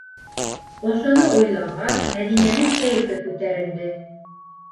Ошоно уйлағас, Мәҙинәнең кәйефе күтәрелде.